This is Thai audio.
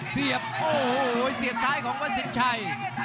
เสียบโอ้โหเสียบซ้ายของวัดสินชัย